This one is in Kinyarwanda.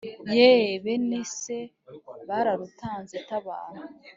yeee bene se bararutanze tabara